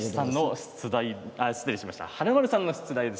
華丸さんへの出題です。